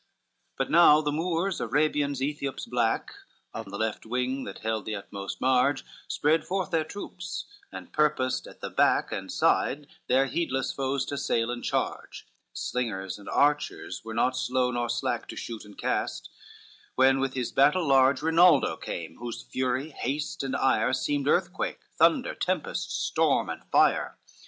LIII But now the Moors, Arabians, Ethiops black, Of the left wing that held the utmost marge, Spread forth their troops, and purposed at the back And side their heedless foes to assail and charge: Slingers and archers were not slow nor slack To shoot and cast, when with his battle large Rinaldo came, whose fury, haste and ire, Seemed earthquake, thunder, tempest, storm and fire.